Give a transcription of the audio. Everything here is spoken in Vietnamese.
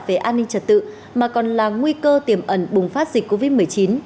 về an ninh trật tự mà còn là nguy cơ tiềm ẩn bùng phát dịch covid một mươi chín